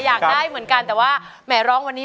อยากได้เหมือนกันแต่ว่าแหมร้องวันนี้